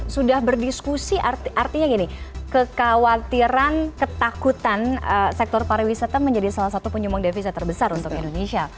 jadi diskusi artinya gini kekhawatiran ketakutan sektor pariwisata menjadi salah satu penyumbang devisa terbesar untuk indonesia